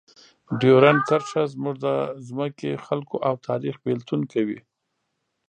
ډیورنډ کرښه زموږ د ځمکې، خلکو او تاریخ بېلتون کوي.